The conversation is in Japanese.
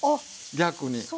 逆に。